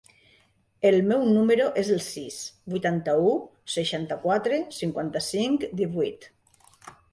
El meu número es el sis, vuitanta-u, seixanta-quatre, cinquanta-cinc, divuit.